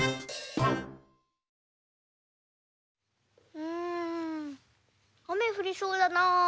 うんあめふりそうだな。